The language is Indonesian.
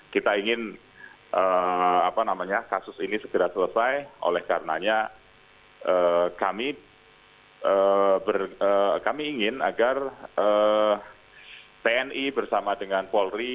kita ingin kasus ini segera selesai oleh karenanya kami ingin agar tni bersama dengan polri